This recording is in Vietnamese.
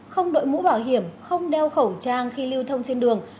không đội mũ bảo hiểm không đeo khẩu trang khi lưu thông trên đường